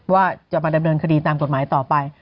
ว่าจะมาดำเนินคดีตามกฎหมายต่อไป